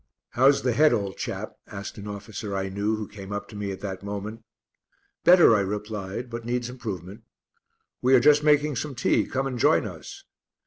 "How's the head, old chap?" asked an officer I knew who came up to me at that moment. "Better," I replied, "but needs improvement." "We are just making some tea; come and join us."